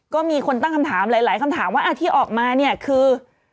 ก็มีคนตั้งคำถามหลายคำถามว่าที่ออกมาเนี่ยคือ